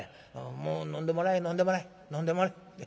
もう飲んでもらい飲んでもらい飲んでもらい。